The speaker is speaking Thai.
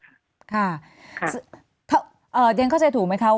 เอิ้นรพที่นายเข้าใจถูกไหมว่า